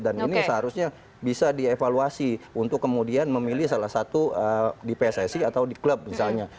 dan ini seharusnya bisa dievaluasi untuk kemudian memilih salah satu di pssi atau di klub misalnya